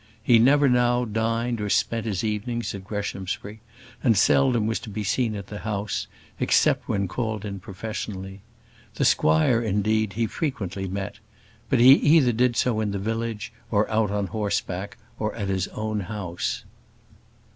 He never now dined or spent his evenings at Greshamsbury, and seldom was to be seen at the house, except when called in professionally. The squire, indeed, he frequently met; but he either did so in the village, or out on horseback, or at his own house.